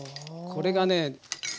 これがね